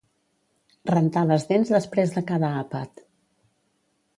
Rentar les dents després de cada àpat